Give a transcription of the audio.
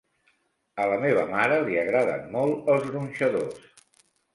A la meva mare li agraden molt els gronxadors.